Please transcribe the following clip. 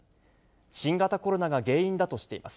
新型コロナが原因だとしています。